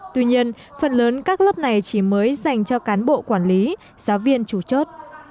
tuy nhiên phần lớn các lớp này chỉ mới dành cho cán bộ quản lý giáo viên chủ chốt